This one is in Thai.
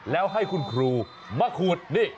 แล้วให้คุณครูมาขูดนี่